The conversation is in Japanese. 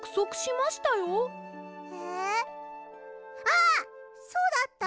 あっそうだった！